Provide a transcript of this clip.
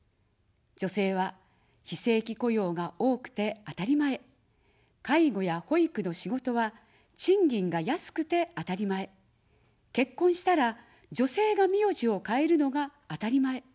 女性は非正規雇用が多くてあたりまえ、介護や保育の仕事は賃金が安くてあたりまえ、結婚したら、女性が名字を変えるのがあたりまえ。